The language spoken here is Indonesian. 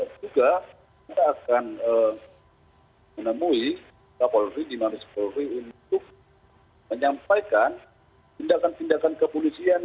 dan juga kita akan menemui dpr ri untuk menyampaikan tindakan tindakan kepolisian